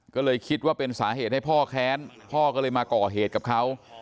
ก็เลยคิดว่าเป็นสาเหตุให้พ่อแค้นพ่อก็เลยมาก่อเหตุกับเขา